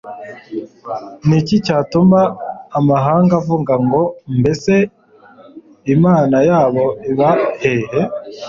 ni iki cyatuma amahanga avuga ngo mbese imana yabo iba hehe